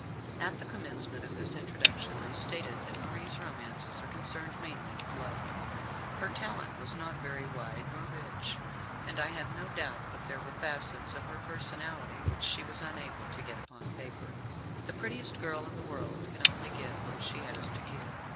At the commencement of this Introduction I stated that Marie's romances are concerned mainly with love. Her talent was not very wide nor rich, and I have no doubt that there were facets of her personality which she was unable to get upon paper. The prettiest girl in the world can only give what she has to give.